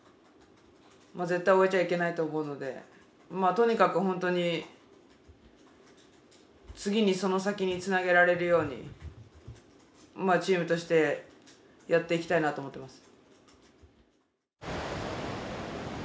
とにかく本当に次にその先につなげられるようにチームとしてやっていきたいなと思ってます。